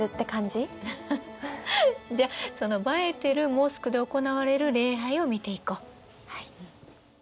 じゃその映えてるモスクで行われる礼拝を見ていこう。